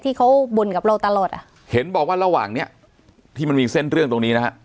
ที่เขาบ่นกับเราตลอดอ่ะเห็นบอกว่าระหว่างเนี้ยที่มันมีเส้นเรื่องตรงนี้นะฮะ